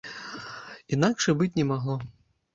Інакш і быць не магло.